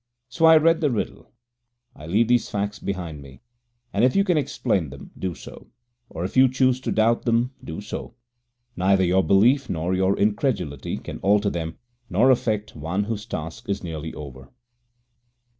So I read the riddle. I leave these facts behind me, and if you can explain them, do so; or if you choose to doubt them, do so. Neither your belief nor your incredulity can alter them, nor affect one whose task is nearly over.